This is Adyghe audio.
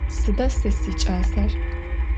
Sıda se siç'aser?